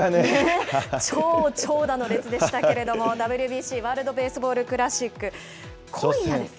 超長蛇の列でしたけれども、ＷＢＣ・ワールドベースボールクラシック、今夜ですよ。